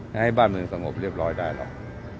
ให้บ้านเมืองสงบเรียบร้อยได้หรอก